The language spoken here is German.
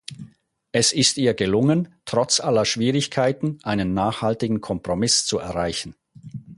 Es ist ihr gelungen, trotz aller Schwierigkeiten einen nachhaltigen Kompromiss zu erreichen.